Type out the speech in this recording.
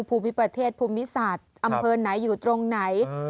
ภูมิประเทศภูมิศาสตร์อำเภอไหนอยู่ตรงไหน